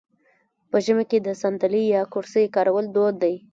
په ژمي کې د ساندلۍ یا کرسۍ کارول دود دی.